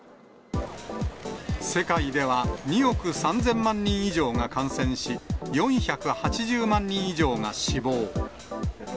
世界では２億３０００万人以上が感染し、４８０万人以上が死亡。